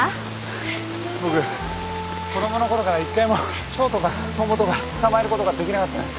僕子供のころから１回もチョウとかトンボとか捕まえることができなかったんです。